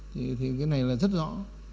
thì cái này là rất rõ